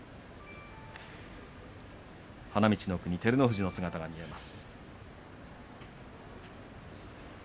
花道の奥に照ノ富士の姿が見えます。